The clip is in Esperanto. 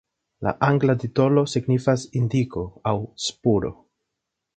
La angla titolo signifas "indiko" aŭ "spuro".